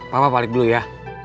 papa balik dulu ya